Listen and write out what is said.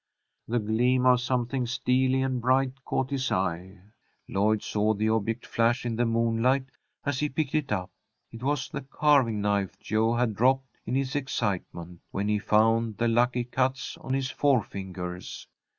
The gleam of something steely and bright caught his eye. Lloyd saw the object flash in the moonlight as he picked it up. It was the carving knife Jo had dropped in his excitement, when he found the "lucky cuts" on his forefingers.